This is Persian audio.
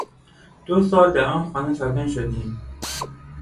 دو سال در آن خانه ساکن شدیم.